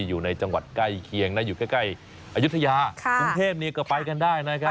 อยู่ใกล้อายุทยากรุงเทพนี้ก็ไปกันได้นะครับ